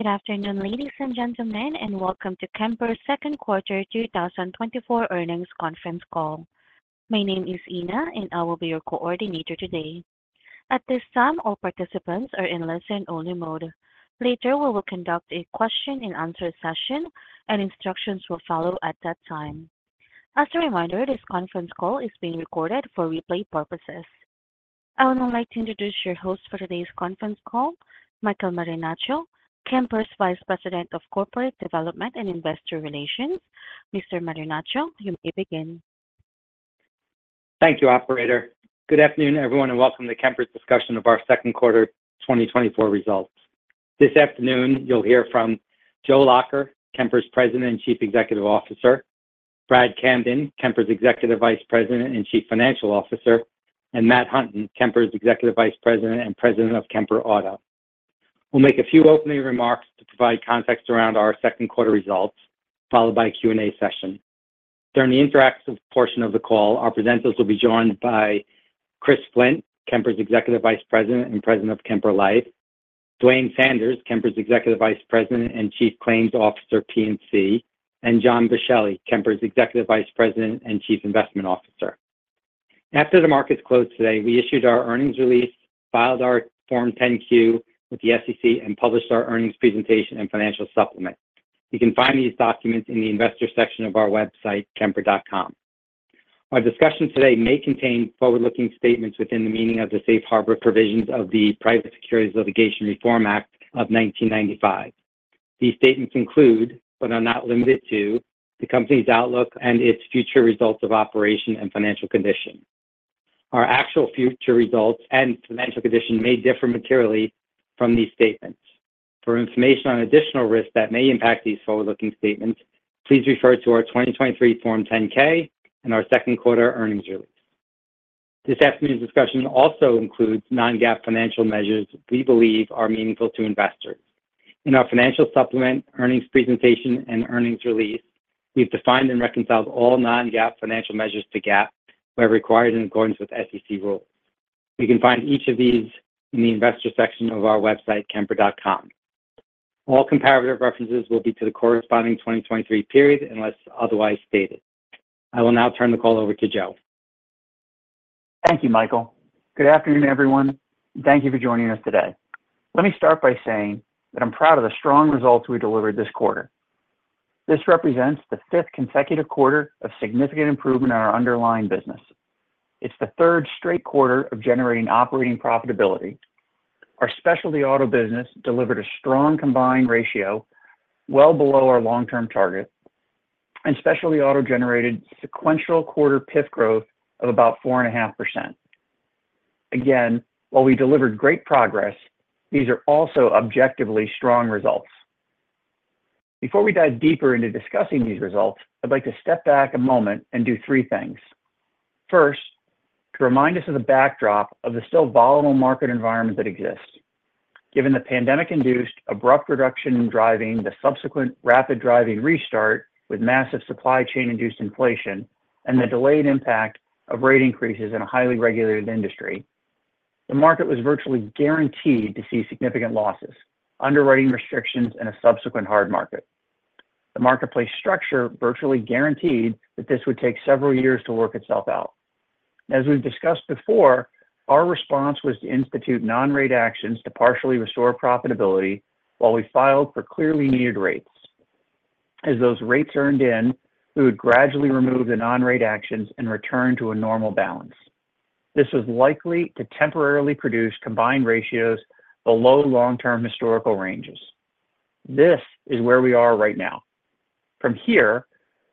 Good afternoon, ladies and gentlemen, and welcome to Kemper's second quarter 2024 earnings conference call. My name is Ina, and I will be your coordinator today. At this time, all participants are in listen-only mode. Later, we will conduct a question-and-answer session, and instructions will follow at that time. As a reminder, this conference call is being recorded for replay purposes. I would now like to introduce your host for today's conference call, Michael Marinaccio, Kemper's Vice President of Corporate Development and Investor Relations. Mr. Marinaccio, you may begin. Thank you, operator. Good afternoon, everyone, and welcome to Kemper's discussion of our second quarter 2024 results. This afternoon, you'll hear from Joe Lacher, Kemper's President and Chief Executive Officer, Brad Camden, Kemper's Executive Vice President and Chief Financial Officer, and Matt Hunton, Kemper's Executive Vice President and President of Kemper Auto. We'll make a few opening remarks to provide context around our second quarter results, followed by a Q&A session. During the interactive portion of the call, our presenters will be joined by Chris Flint, Kemper's Executive Vice President and President of Kemper Life, Dwayne Sanders, Kemper's Executive Vice President and Chief Claims Officer, P&C, and John Boschelli, Kemper's Executive Vice President and Chief Investment Officer. After the markets closed today, we issued our earnings release, filed our Form 10-Q with the SEC, and published our earnings presentation and financial supplement. You can find these documents in the investor section of our website, kemper.com. Our discussion today may contain forward-looking statements within the meaning of the safe harbor provisions of the Private Securities Litigation Reform Act of 1995. These statements include, but are not limited to, the Company's outlook and its future results of operation and financial condition. Our actual future results and financial condition may differ materially from these statements. For information on additional risks that may impact these forward-looking statements, please refer to our 2023 Form 10-K and our second quarter earnings release. This afternoon's discussion also includes non-GAAP financial measures we believe are meaningful to investors. In our financial supplement, earnings presentation and earnings release, we've defined and reconciled all non-GAAP financial measures to GAAP, where required in accordance with SEC rules. You can find each of these in the investor section of our website, kemper.com. All comparative references will be to the corresponding 2023 period, unless otherwise stated. I will now turn the call over to Joe. Thank you, Michael. Good afternoon, everyone, and thank you for joining us today. Let me start by saying that I'm proud of the strong results we delivered this quarter. This represents the fifth consecutive quarter of significant improvement in our underlying business. It's the third straight quarter of generating operating profitability. Our specialty auto business delivered a strong combined ratio, well below our long-term target, and Specialty Auto generated sequential quarter PIF growth of about 4.5%. Again, while we delivered great progress, these are also objectively strong results. Before we dive deeper into discussing these results, I'd like to step back a moment and do three things. First, to remind us of the backdrop of the still volatile market environment that exists. Given the pandemic-induced abrupt reduction in driving, the subsequent rapid driving restart with massive supply chain-induced inflation and the delayed impact of rate increases in a highly regulated industry, the market was virtually guaranteed to see significant losses, underwriting restrictions, and a subsequent hard market. The marketplace structure virtually guaranteed that this would take several years to work itself out. As we've discussed before, our response was to institute non-rate actions to partially restore profitability while we filed for clearly needed rates. As those rates earned in, we would gradually remove the non-rate actions and return to a normal balance. This was likely to temporarily produce combined ratios below long-term historical ranges. This is where we are right now. From here,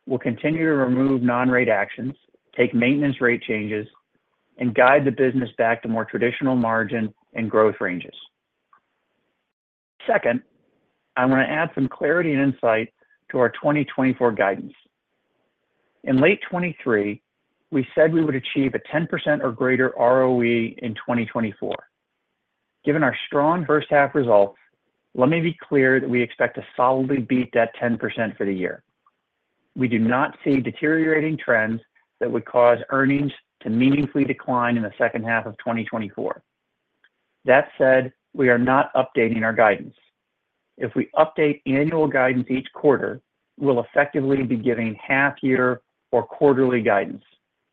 we'll continue to remove non-rate actions, take maintenance rate changes, and guide the business back to more traditional margin and growth ranges. Second, I'm going to add some clarity and insight to our 2024 guidance. In late 2023, we said we would achieve a 10% or greater ROE in 2024. Given our strong first half results, let me be clear that we expect to solidly beat that 10% for the year. We do not see deteriorating trends that would cause earnings to meaningfully decline in the second half of 2024. That said, we are not updating our guidance. If we update annual guidance each quarter, we'll effectively be giving half year or quarterly guidance.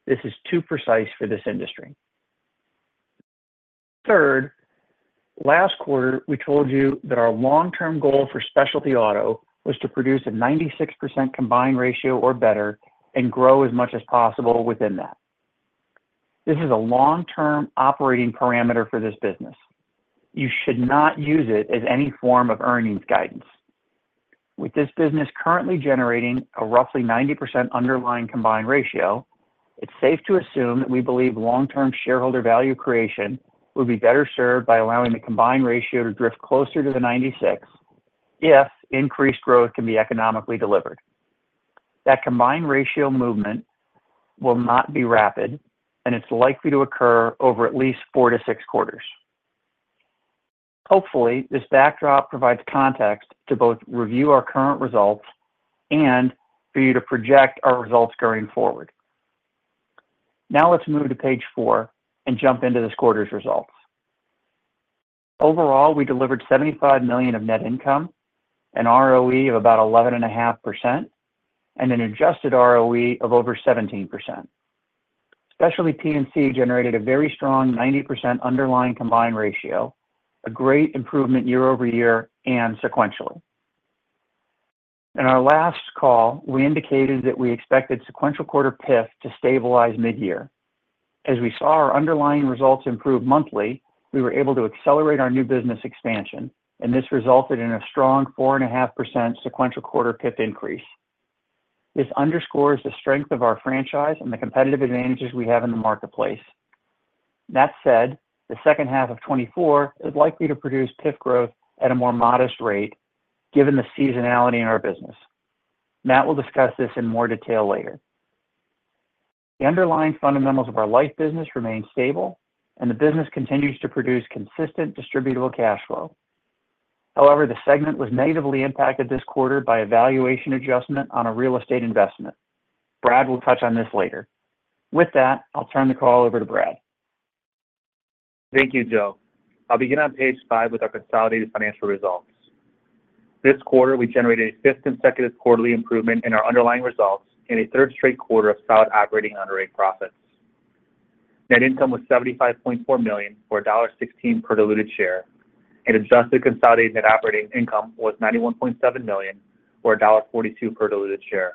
This is too precise for this industry. Third, last quarter, we told you that our long-term goal for specialty auto was to produce a 96% combined ratio or better and grow as much as possible within that. This is a long-term operating parameter for this business. You should not use it as any form of earnings guidance. With this business currently generating a roughly 90% underlying combined ratio, it's safe to assume that we believe long-term shareholder value creation will be better served by allowing the combined ratio to drift closer to the 96 if increased growth can be economically delivered. That combined ratio movement will not be rapid, and it's likely to occur over at least 4-6 quarters. Hopefully, this backdrop provides context to both review our current results and for you to project our results going forward. Now let's move to page four and jump into this quarter's results. Overall, we delivered $75 million of net income, an ROE of about 11.5%, and an adjusted ROE of over 17%. Specialty P&C generated a very strong 90% underlying combined ratio, a great improvement year-over-year and sequentially. In our last call, we indicated that we expected sequential quarter PIF to stabilize mid-year. As we saw our underlying results improve monthly, we were able to accelerate our new business expansion, and this resulted in a strong 4.5% sequential quarter PIF increase. This underscores the strength of our franchise and the competitive advantages we have in the marketplace. That said, the second half of 2024 is likely to produce PIF growth at a more modest rate, given the seasonality in our business. Matt will discuss this in more detail later. The underlying fundamentals of our life business remain stable, and the business continues to produce consistent distributable cash flow. However, the segment was negatively impacted this quarter by a valuation adjustment on a real estate investment. Brad will touch on this later. With that, I'll turn the call over to Brad. Thank you, Joe. I'll begin on page 5 with our consolidated financial results. This quarter, we generated a fifth consecutive quarterly improvement in our underlying results and a third straight quarter of solid operating underwriting profits. Net income was $75.4 million, or $1.16 per diluted share, and adjusted consolidated net operating income was $91.7 million, or $1.42 per diluted share.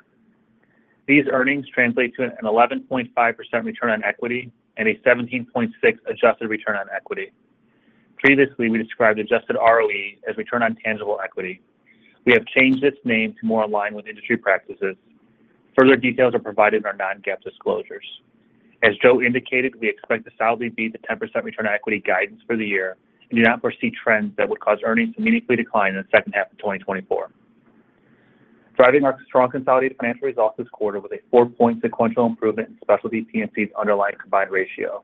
These earnings translate to an 11.5 return on equity and a 17.6 adjusted return on equity. Previously, we described adjusted ROE as return on tangible equity. We have changed this name to more align with industry practices. Further details are provided in our non-GAAP disclosures. As Joe indicated, we expect to solidly beat the 10 return on equity guidance for the year and do not foresee trends that would cause earnings to meaningfully decline in the second half of 2024. Driving our strong consolidated financial results this quarter with a 4-point sequential improvement in Specialty P&C's underlying Combined Ratio,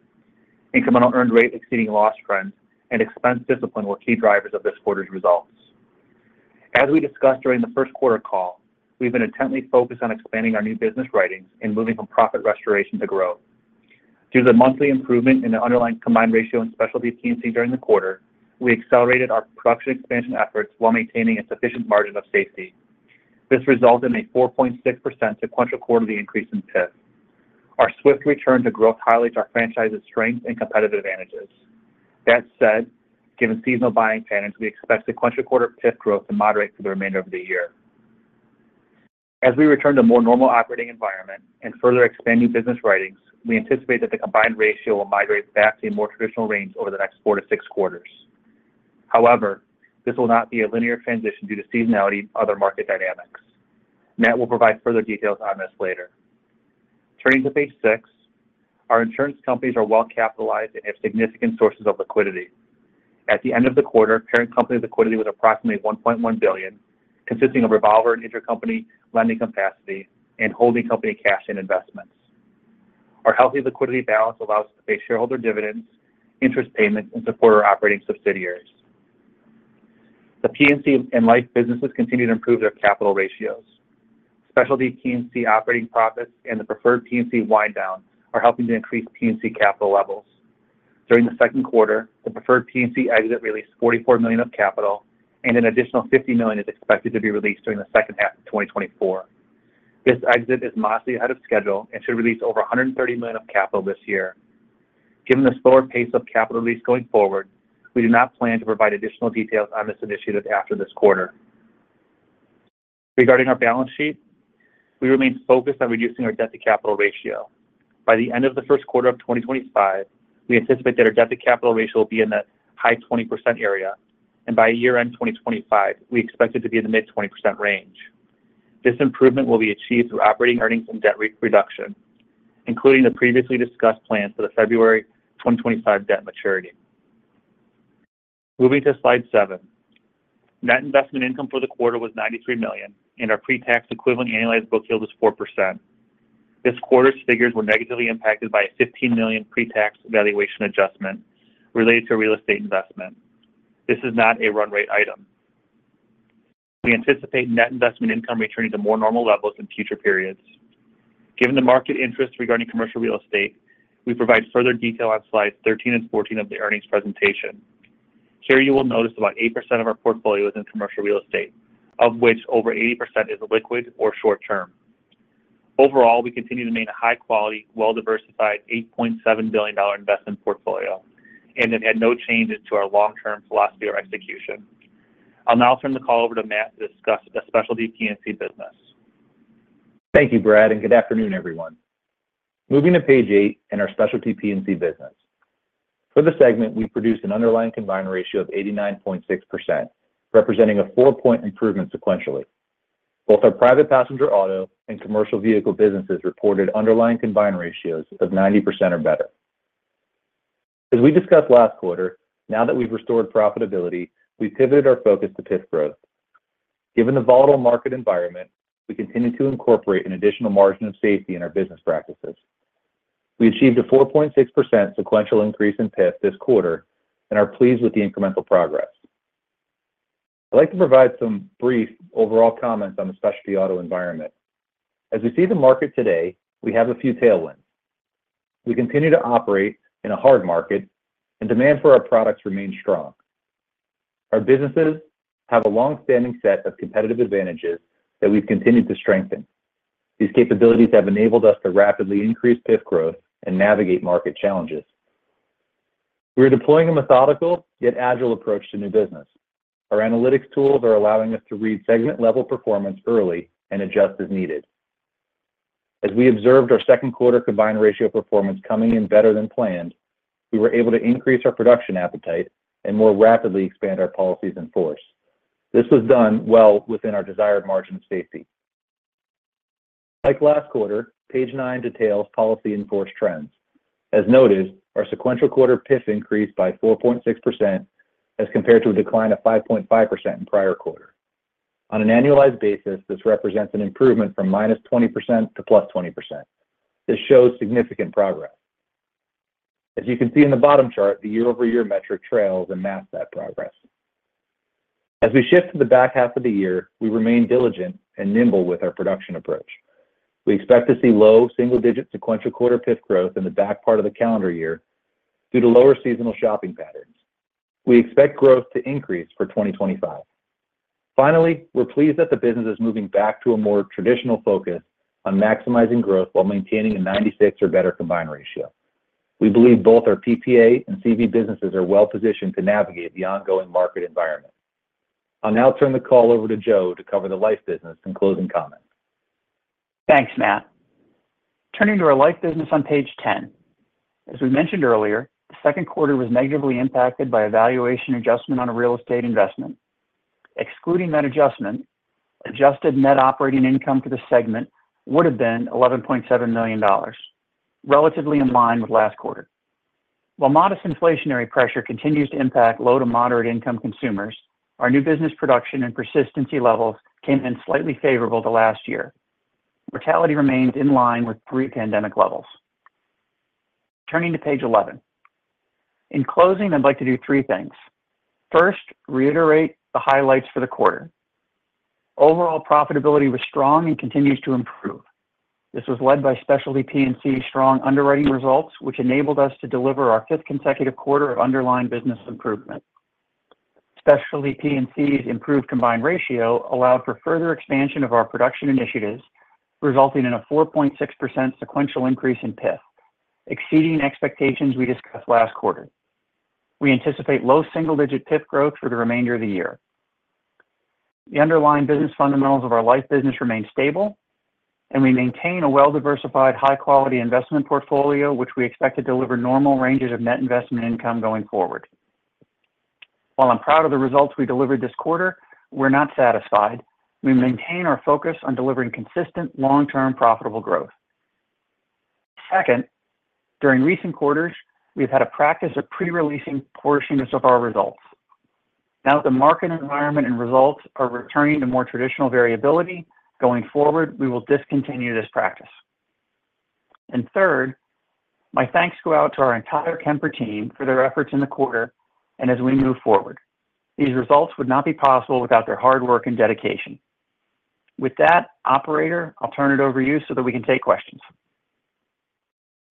incremental earned rate exceeding loss trends, and expense discipline were key drivers of this quarter's results. As we discussed during the first quarter call, we've been intently focused on expanding our new business writings and moving from profit restoration to growth. Due to the monthly improvement in the underlying Combined Ratio and Specialty P&C during the quarter, we accelerated our production expansion efforts while maintaining a sufficient margin of safety. This resulted in a 4.6% sequential quarterly increase in PIF. Our swift return to growth highlights our franchise's strength and competitive advantages. That said, given seasonal buying patterns, we expect sequential quarter PIF growth to moderate through the remainder of the year. As we return to a more normal operating environment and further expanding business writings, we anticipate that the combined ratio will migrate back to a more traditional range over the next 4-6 quarters. However, this will not be a linear transition due to seasonality and other market dynamics. Matt will provide further details on this later. Turning to page 6, our insurance companies are well capitalized and have significant sources of liquidity. At the end of the quarter, parent company liquidity was approximately $1.1 billion, consisting of revolver and intercompany lending capacity and holding company cash and investments. Our healthy liquidity balance allows us to pay shareholder dividends, interest payments, and support our operating subsidiaries. The P&C and life businesses continue to improve their capital ratios. Specialty P&C operating profits and the Preferred P&C wind down are helping to increase P&C capital levels. During the second quarter, the Preferred P&C exit released $44 million of capital, and an additional $50 million is expected to be released during the second half of 2024. This exit is mostly ahead of schedule and should release over $130 million of capital this year. Given the slower pace of capital release going forward, we do not plan to provide additional details on this initiative after this quarter. Regarding our balance sheet, we remain focused on reducing our debt-to-capital ratio. By the end of the first quarter of 2025, we anticipate that our debt-to-capital ratio will be in the high 20% area, and by year-end 2025, we expect it to be in the mid-20% range. This improvement will be achieved through operating earnings and debt reduction, including the previously discussed plans for the February 2025 debt maturity. Moving to slide 7. Net investment income for the quarter was $93 million, and our pre-tax equivalent annualized book yield is 4%. This quarter's figures were negatively impacted by a $15 million pre-tax valuation adjustment related to a real estate investment. This is not a run rate item. We anticipate net investment income returning to more normal levels in future periods. Given the market interest regarding commercial real estate, we provide further detail on slides 13 and 14 of the earnings presentation. Here, you will notice about 8% of our portfolio is in commercial real estate, of which over 80% is liquid or short term. Overall, we continue to maintain a high-quality, well-diversified, $8.7 billion investment portfolio and have had no changes to our long-term philosophy or execution. I'll now turn the call over to Matt to discuss the specialty P&C business. Thank you, Brad, and good afternoon, everyone. Moving to page eight in our specialty P&C business. For the segment, we produced an underlying combined ratio of 89.6%, representing a 4-point improvement sequentially. Both our private passenger auto and commercial vehicle businesses reported underlying combined ratios of 90% or better. As we discussed last quarter, now that we've restored profitability, we pivoted our focus to PIF growth. Given the volatile market environment, we continue to incorporate an additional margin of safety in our business practices. We achieved a 4.6% sequential increase in PIF this quarter and are pleased with the incremental progress.... I'd like to provide some brief overall comments on the specialty auto environment. As we see the market today, we have a few tailwinds. We continue to operate in a hard market, and demand for our products remains strong. Our businesses have a long-standing set of competitive advantages that we've continued to strengthen. These capabilities have enabled us to rapidly increase PIF growth and navigate market challenges. We are deploying a methodical yet agile approach to new business. Our analytics tools are allowing us to read segment-level performance early and adjust as needed. As we observed our second quarter combined ratio performance coming in better than planned, we were able to increase our production appetite and more rapidly expand our policies in force. This was done well within our desired margin of safety. Like last quarter, page 9 details policy in force trends. As noted, our sequential quarter PIF increased by 4.6% as compared to a decline of 5.5% in prior quarter. On an annualized basis, this represents an improvement from -20% to +20%. This shows significant progress. As you can see in the bottom chart, the year-over-year metric trails and masks that progress. As we shift to the back half of the year, we remain diligent and nimble with our production approach. We expect to see low single-digit sequential quarter PIF growth in the back part of the calendar year due to lower seasonal shopping patterns. We expect growth to increase for 2025. Finally, we're pleased that the business is moving back to a more traditional focus on maximizing growth while maintaining a 96 or better combined ratio. We believe both our PPA and CV businesses are well positioned to navigate the ongoing market environment. I'll now turn the call over to Joe to cover the life business and closing comments. Thanks, Matt. Turning to our life business on page 10. As we mentioned earlier, the second quarter was negatively impacted by a valuation adjustment on a real estate investment. Excluding that adjustment, adjusted net operating income for the segment would have been $11.7 million, relatively in line with last quarter. While modest inflationary pressure continues to impact low to moderate income consumers, our new business production and persistency levels came in slightly favorable to last year. Mortality remains in line with pre-pandemic levels. Turning to page 11. In closing, I'd like to do three things. First, reiterate the highlights for the quarter. Overall profitability was strong and continues to improve. This was led by Specialty P&C's strong underwriting results, which enabled us to deliver our fifth consecutive quarter of underlying business improvement. Specialty P&C's improved combined ratio allowed for further expansion of our production initiatives, resulting in a 4.6% sequential increase in PIF, exceeding expectations we discussed last quarter. We anticipate low single-digit PIF growth for the remainder of the year. The underlying business fundamentals of our life business remain stable, and we maintain a well-diversified, high-quality investment portfolio, which we expect to deliver normal ranges of net investment income going forward. While I'm proud of the results we delivered this quarter, we're not satisfied. We maintain our focus on delivering consistent, long-term, profitable growth. Second, during recent quarters, we've had a practice of pre-releasing portions of our results. Now that the market environment and results are returning to more traditional variability, going forward, we will discontinue this practice. Third, my thanks go out to our entire Kemper team for their efforts in the quarter and as we move forward. These results would not be possible without their hard work and dedication. With that, operator, I'll turn it over to you so that we can take questions.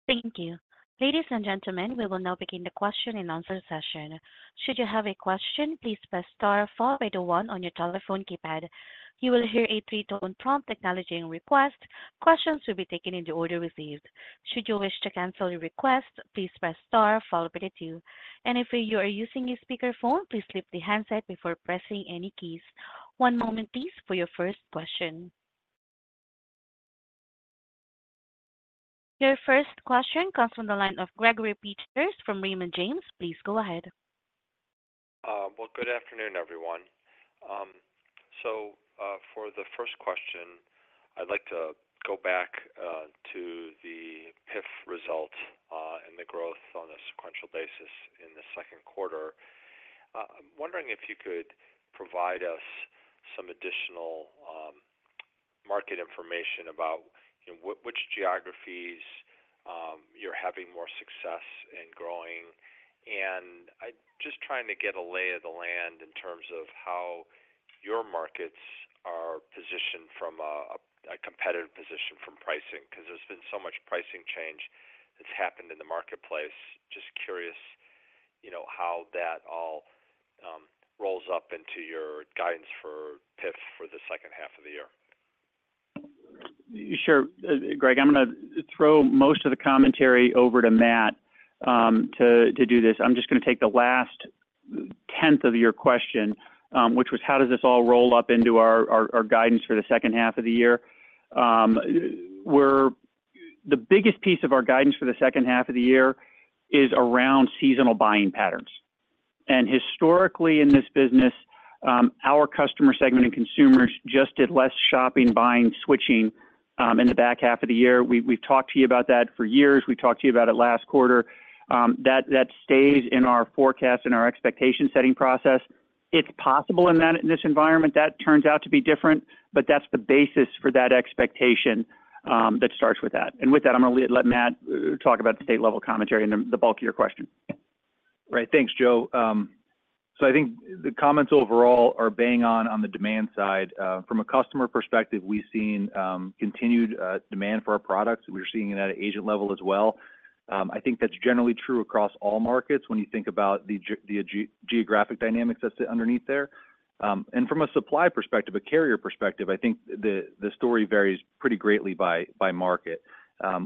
Thank you. Ladies and gentlemen, we will now begin the question and answer session. Should you have a question, please press star followed by the one on your telephone keypad. You will hear a three-tone prompt acknowledging request. Questions will be taken in the order received. Should you wish to cancel your request, please press star followed by the two. And if you are using a speakerphone, please lift the handset before pressing any keys. One moment, please, for your first question. Your first question comes from the line of Gregory Peters from Raymond James. Please go ahead. Well, good afternoon, everyone. So, for the first question, I'd like to go back to the PIF results and the growth on a sequential basis in the second quarter. I'm wondering if you could provide us some additional market information about, you know, which geographies you're having more success in growing. And I'm just trying to get a lay of the land in terms of how your markets are positioned from a competitive position from pricing, because there's been so much pricing change that's happened in the marketplace. Just curious, you know, how that all rolls up into your guidance for PIF for the second half of the year. Sure. Greg, I'm going to throw most of the commentary over to Matt to do this. I'm just going to take the last tenth of your question, which was: how does this all roll up into our guidance for the second half of the year? The biggest piece of our guidance for the second half of the year is around seasonal buying patterns. And historically, in this business, our customer segment and consumers just did less shopping, buying, switching in the back half of the year. We've talked to you about that for years. We talked to you about it last quarter. That stays in our forecast and our expectation setting process. It's possible in this environment, that turns out to be different, but that's the basis for that expectation that starts with that. With that, I'm going to let Matt talk about the state level commentary and the bulk of your question.... Right. Thanks, Joe. So I think the comments overall are bang on, on the demand side. From a customer perspective, we've seen continued demand for our products. We're seeing it at an agent level as well. I think that's generally true across all markets when you think about the geographic dynamics that's underneath there. And from a supply perspective, a carrier perspective, I think the story varies pretty greatly by market.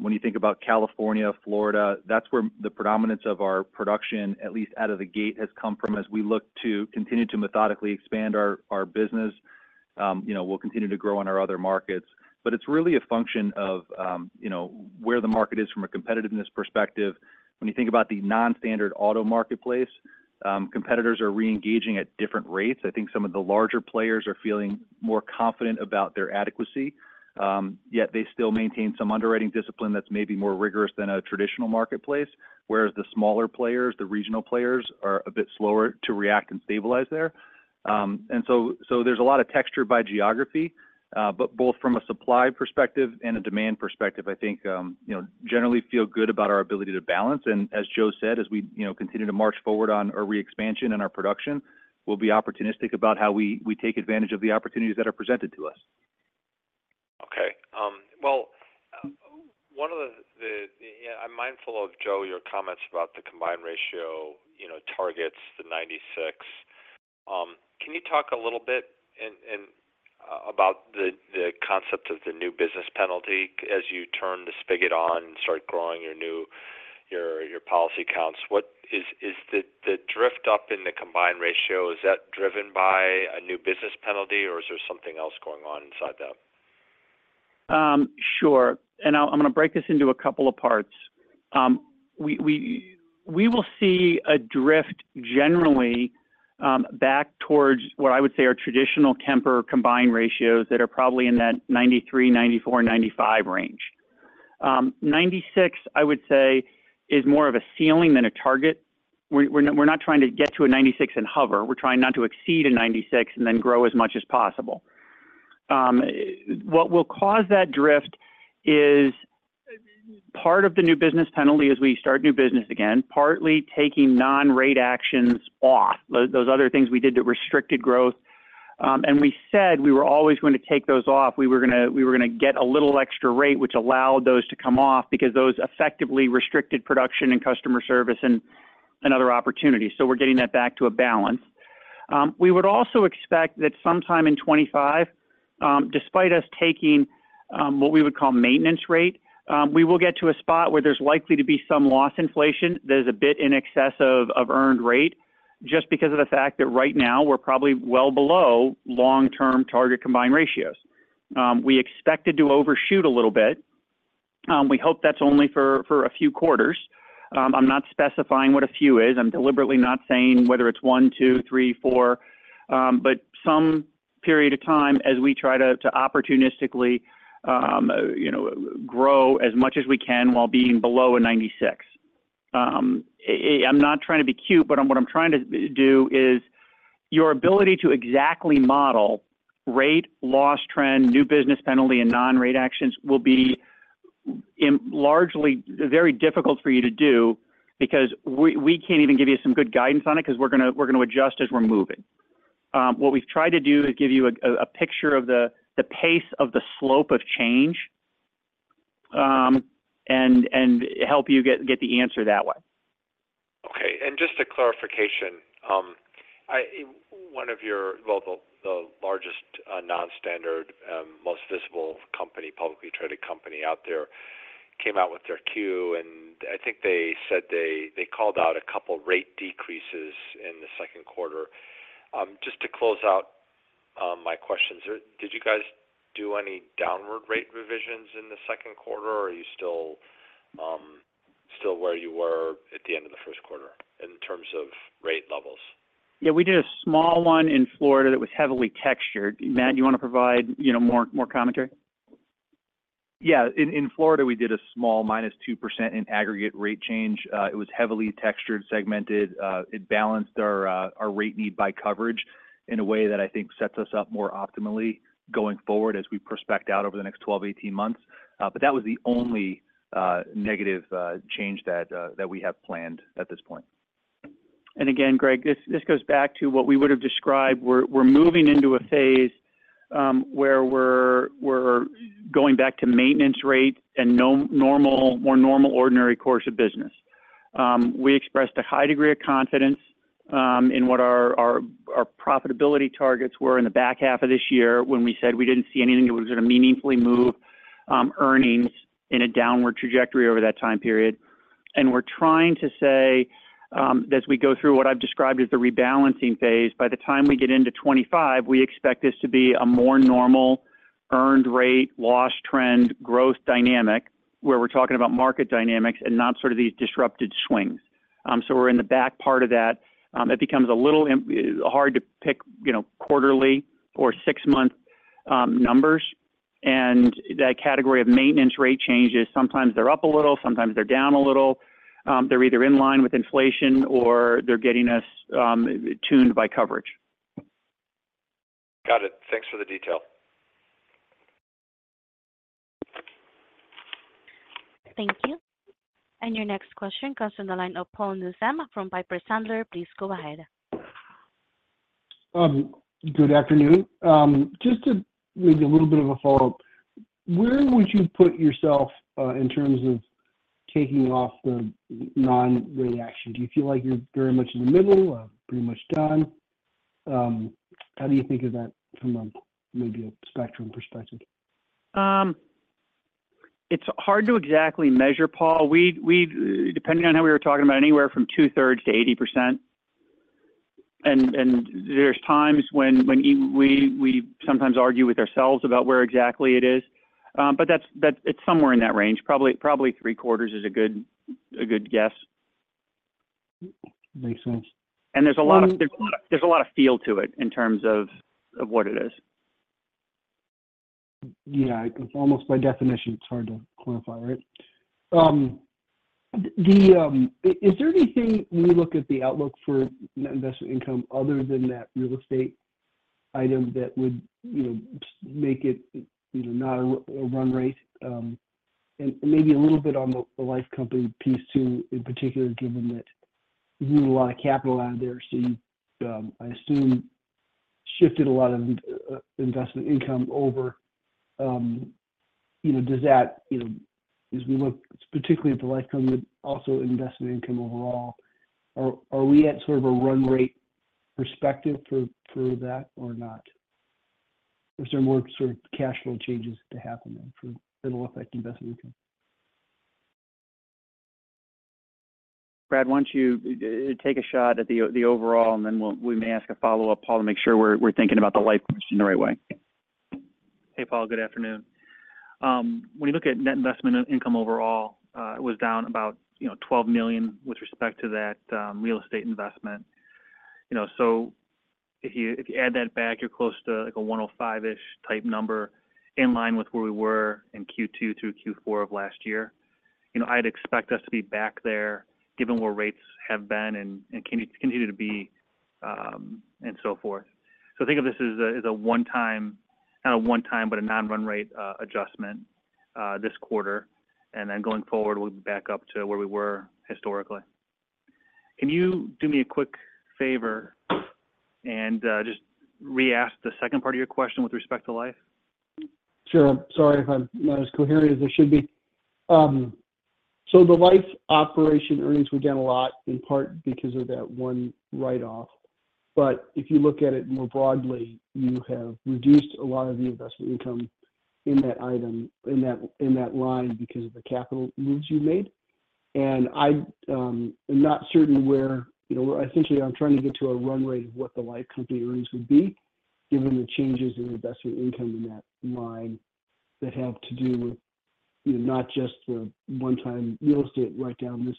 When you think about California, Florida, that's where the predominance of our production, at least out of the gate, has come from. As we look to continue to methodically expand our business, you know, we'll continue to grow in our other markets. But it's really a function of, you know, where the market is from a competitiveness perspective. When you think about the non-standard auto marketplace, competitors are reengaging at different rates. I think some of the larger players are feeling more confident about their adequacy, yet they still maintain some underwriting discipline that's maybe more rigorous than a traditional marketplace, whereas the smaller players, the regional players, are a bit slower to react and stabilize there. And so, there's a lot of texture by geography, but both from a supply perspective and a demand perspective, I think, you know, generally feel good about our ability to balance. And as Joe said, as we, you know, continue to march forward on our re-expansion and our production, we'll be opportunistic about how we take advantage of the opportunities that are presented to us. Okay. Well, one of the. Yeah, I'm mindful of, Joe, your comments about the combined ratio, you know, targets, the 96. Can you talk a little bit and about the concept of the new business penalty as you turn the spigot on and start growing your new policy accounts? Is the drift up in the combined ratio driven by a new business penalty, or is there something else going on inside that? Sure. And I'll—I'm going to break this into a couple of parts. We will see a drift generally back towards what I would say are traditional Kemper combined ratios that are probably in that 93-95 range. Ninety-six, I would say, is more of a ceiling than a target. We're not trying to get to a 96 and hover. We're trying not to exceed a 96 and then grow as much as possible. What will cause that drift is part of the new business penalty as we start new business again, partly taking non-rate actions off, those other things we did that restricted growth. And we said we were always going to take those off. We were gonna get a little extra rate, which allowed those to come off because those effectively restricted production and customer service and other opportunities. So we're getting that back to a balance. We would also expect that sometime in 2025, despite us taking what we would call maintenance rate, we will get to a spot where there's likely to be some loss inflation that is a bit in excess of earned rate, just because of the fact that right now we're probably well below long-term target combined ratios. We expected to overshoot a little bit. We hope that's only for a few quarters. I'm not specifying what a few is. I'm deliberately not saying whether it's 1, 2, 3, 4, but some period of time as we try to opportunistically, you know, grow as much as we can while being below a 96. I'm not trying to be cute, but what I'm trying to do is, your ability to exactly model rate, loss, trend, new business penalty, and non-rate actions will be largely very difficult for you to do because we can't even give you some good guidance on it because we're gonna adjust as we're moving. What we've tried to do is give you a picture of the pace of the slope of change, and help you get the answer that way. Okay, and just a clarification: one of your... Well, the largest non-standard most visible company, publicly traded company out there, came out with their Q, and I think they said they called out a couple rate decreases in the second quarter. Just to close out my questions, did you guys do any downward rate revisions in the second quarter, or are you still where you were at the end of the first quarter in terms of rate levels? Yeah, we did a small one in Florida that was heavily textured. Matt, you want to provide, you know, more, more commentary? Yeah. In Florida, we did a small -2% in aggregate rate change. It was heavily textured, segmented. It balanced our rate need by coverage in a way that I think sets us up more optimally going forward as we prospect out over the next 12, 18 months. But that was the only negative change that we have planned at this point. Again, Greg, this goes back to what we would have described. We're moving into a phase where we're going back to maintenance rate and normal, more normal, ordinary course of business. We expressed a high degree of confidence in what our profitability targets were in the back half of this year when we said we didn't see anything that was going to meaningfully move earnings in a downward trajectory over that time period. We're trying to say, as we go through what I've described as the rebalancing phase, by the time we get into 2025, we expect this to be a more normal earned rate, loss, trend, growth dynamic, where we're talking about market dynamics and not sort of these disrupted swings. So we're in the back part of that. It becomes a little hard to pick, you know, quarterly or six-month numbers. That category of maintenance rate changes, sometimes they're up a little, sometimes they're down a little. They're either in line with inflation or they're getting us tuned by coverage. Got it. Thanks for the detail. Thank you. And your next question comes from the line of Paul Newsome from Piper Sandler. Please go ahead. Good afternoon. Just to maybe a little bit of a follow-up, where would you put yourself in terms of taking off the non-rate action? Do you feel like you're very much in the middle or pretty much done? How do you think of that from a maybe a spectrum perspective? It's hard to exactly measure, Paul. We depending on how we were talking about anywhere from 2/3 to 80%. And there's times when we sometimes argue with ourselves about where exactly it is. But that's... It's somewhere in that range. Probably three-quarters is a good guess. Makes sense. There's a lot of feel to it in terms of what it is. Yeah, it's almost by definition, it's hard to quantify, right? Is there anything when you look at the outlook for net investment income other than that real estate item that would, you know, make it, you know, not a run rate? And maybe a little bit on the life company piece, too, in particular, given that you need a lot of capital out there. So, I assume shifted a lot of investment income over, you know, does that, you know, as we look particularly at the life company, but also investment income overall, are we at sort of a run rate perspective for that or not? Or is there more sort of cash flow changes to happen then for, that will affect investment income? Brad, why don't you take a shot at the overall, and then we'll, we may ask a follow-up, Paul, to make sure we're thinking about the life question the right way. Hey, Paul, good afternoon. When you look at net investment income overall, it was down about, you know, $12 million with respect to that real estate investment. You know, so if you add that back, you're close to, like, a 105-ish type number, in line with where we were in Q2 through Q4 of last year. You know, I'd expect us to be back there, given where rates have been and continue to be, and so forth. So think of this as a one-time, not a one-time, but a non-run rate adjustment this quarter. And then going forward, we'll be back up to where we were historically. Can you do me a quick favor and just re-ask the second part of your question with respect to life? Sure. Sorry if I'm not as coherent as I should be. So the life operation earnings were down a lot, in part because of that one write-off. But if you look at it more broadly, you have reduced a lot of the investment income in that item, in that, in that line because of the capital moves you made. And I, I'm not certain where, you know, essentially, I'm trying to get to a run rate of what the life company earnings would be, given the changes in investment income in that line that have to do with, you know, not just the one-time real estate write down this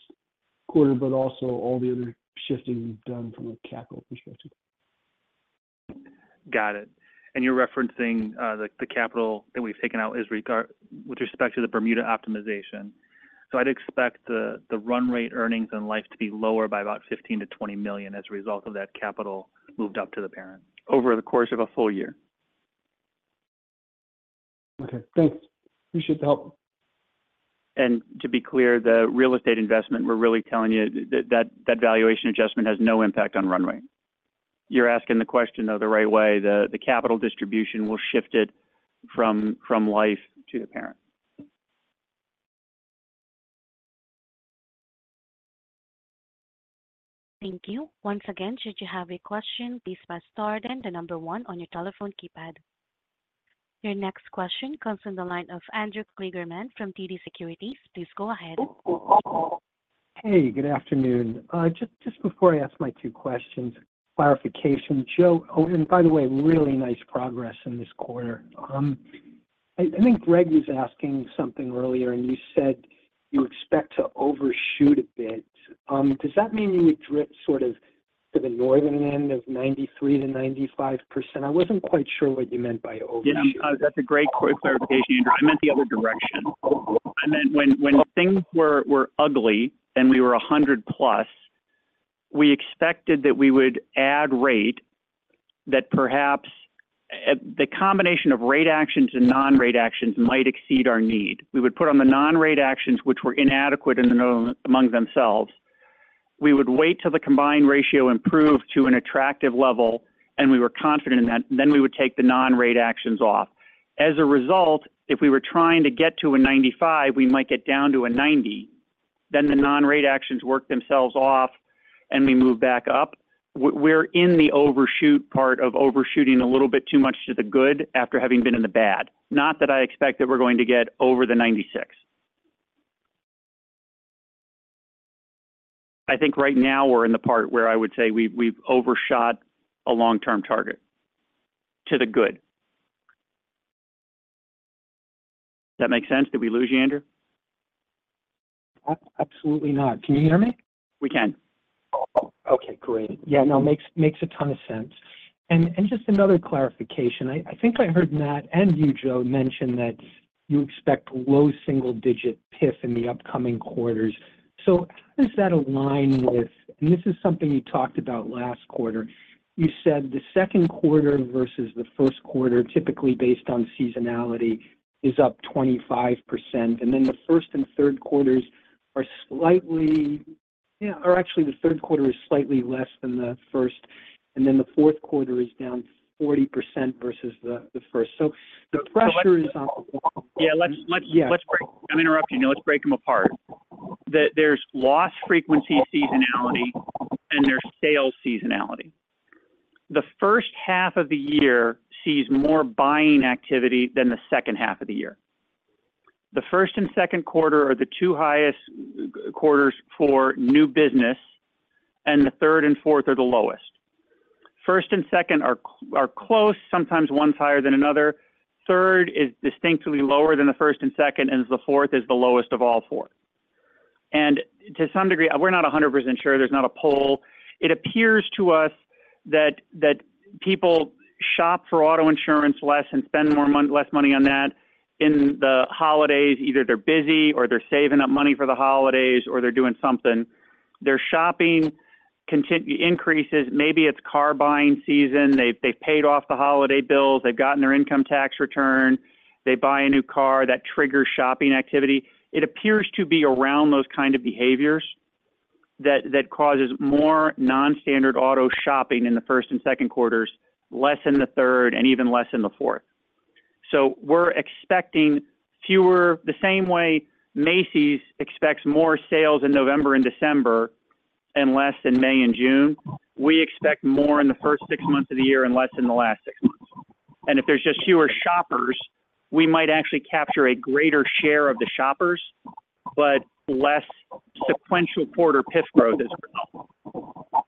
quarter, but also all the other shifting you've done from a capital perspective. Got it. And you're referencing the capital that we've taken out in regard with respect to the Bermuda optimization. So I'd expect the run rate earnings in life to be lower by about $15 million-$20 million as a result of that capital moved up to the parent over the course of a full year. Okay, thanks. Appreciate the help. And to be clear, the real estate investment, we're really telling you that valuation adjustment has no impact on run rate. You're asking the question, though, the right way. The capital distribution will shift it from life to the parent. Thank you. Once again, should you have a question, please press star then the number one on your telephone keypad. Your next question comes from the line of Andrew Kligerman from TD Securities. Please go ahead. Hey, good afternoon. Just before I ask my two questions, clarification, Joe, oh, and by the way, really nice progress in this quarter. I think Greg was asking something earlier, and you said you expect to overshoot a bit. Does that mean you would drift sort of to the northern end of 93%-95%? I wasn't quite sure what you meant by overshoot. Yeah, that's a great quick clarification, Andrew. I meant the other direction. I meant when things were ugly and we were 100+, we expected that we would add rate that perhaps the combination of rate actions and non-rate actions might exceed our need. We would put on the non-rate actions which were inadequate in and of... among themselves. We would wait till the combined ratio improved to an attractive level, and we were confident in that, then we would take the non-rate actions off. As a result, if we were trying to get to a 95, we might get down to a 90, then the non-rate actions work themselves off, and we move back up. We're in the overshoot part of overshooting a little bit too much to the good after having been in the bad. Not that I expect that we're going to get over the 96. I think right now we're in the part where I would say we've overshot a long-term target to the good. Does that make sense? Did we lose you, Andrew? Absolutely not. Can you hear me? We can. Oh, okay, great. Yeah, no, makes a ton of sense. And just another clarification. I think I heard Matt and you, Joe, mention that you expect low single-digit PIF in the upcoming quarters. So how does that align with... And this is something you talked about last quarter. You said the second quarter versus the first quarter, typically based on seasonality, is up 25%, and then the first and third quarters are slightly-... Yeah, or actually the third quarter is slightly less than the first, and then the fourth quarter is down 40% versus the first. So the pressure is- Yeah, let's- Yeah. Let's break. I'm interrupting you. Let's break them apart. There, there's loss frequency seasonality, and there's sales seasonality. The first half of the year sees more buying activity than the second half of the year. The first and second quarter are the two highest quarters for new business, and the third and fourth are the lowest. First and second are close, sometimes one's higher than another. Third is distinctly lower than the first and second, and the fourth is the lowest of all four. To some degree, we're not 100% sure, there's not a poll. It appears to us that people shop for auto insurance less and spend more money-less money on that in the holidays. Either they're busy, or they're saving up money for the holidays, or they're doing something. Their shopping increases, maybe it's car buying season, they've, they've paid off the holiday bills, they've gotten their income tax return, they buy a new car, that triggers shopping activity. It appears to be around those kind of behaviors that, that causes more non-standard auto shopping in the first and second quarters, less in the third and even less in the fourth. So we're expecting fewer... The same way Macy's expects more sales in November and December and less in May and June, we expect more in the first six months of the year and less in the last six months. And if there's just fewer shoppers, we might actually capture a greater share of the shoppers, but less sequential quarter PIF growth as well.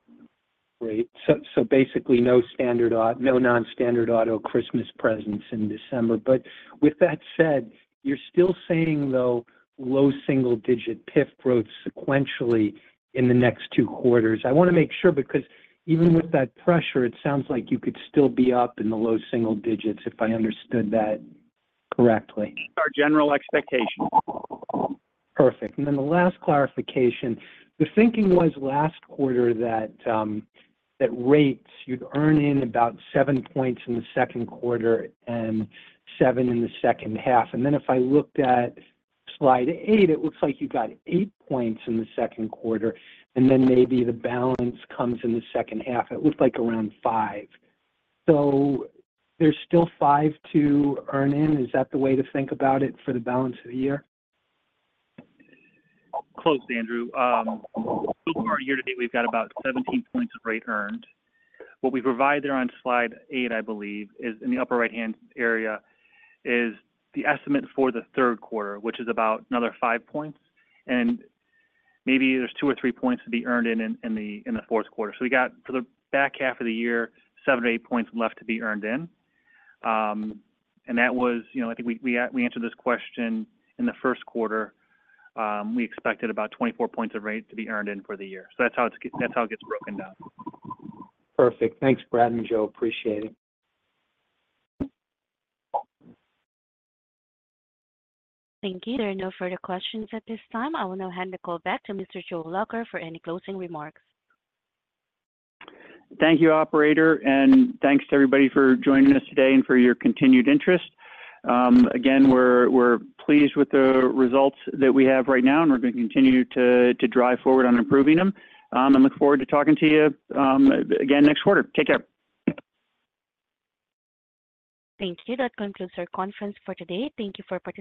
Great. So, so basically, no standard auto—no non-standard auto Christmas presence in December. But with that said, you're still saying, though, low single digit PIF growth sequentially in the next 2 quarters. I wanna make sure, because even with that pressure, it sounds like you could still be up in the low single digits, if I understood that correctly. That's our general expectation. Perfect. And then the last clarification: the thinking was last quarter that that rates, you'd earn in about 7 points in the second quarter and 7 in the second half. And then if I looked at slide 8, it looks like you got 8 points in the second quarter, and then maybe the balance comes in the second half. It looked like around 5. So there's still 5 to earn in? Is that the way to think about it for the balance of the year? Close, Andrew. So far, year to date, we've got about 17 points of rate earned. What we provide there on slide 8, I believe, is in the upper right-hand area, is the estimate for the third quarter, which is about another 5 points, and maybe there's 2 or 3 points to be earned in the fourth quarter. So we got, for the back half of the year, 7-8 points left to be earned in. And that was, you know, I think we answered this question in the first quarter. We expected about 24 points of rate to be earned in for the year. So that's how it gets broken down. Perfect. Thanks, Brad and Joe. Appreciate it. Thank you. There are no further questions at this time. I will now hand the call back to Mr. Joe Lacher for any closing remarks. Thank you, operator, and thanks to everybody for joining us today and for your continued interest. Again, we're pleased with the results that we have right now, and we're going to continue to drive forward on improving them. I look forward to talking to you again next quarter. Take care. Thank you. That concludes our conference for today. Thank you for participating.